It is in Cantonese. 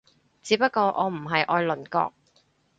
只不過我唔係愛鄰國